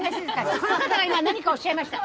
この方が今何かおっしゃいました。